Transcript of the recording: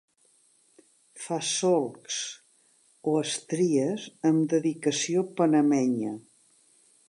Fa solcs o estries amb dedicació panamenya.